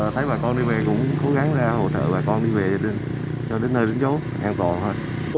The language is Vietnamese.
thấy bà con đi về cũng cố gắng ra hỗ trợ bà con đi về cho đến nơi đến chỗ an toàn thôi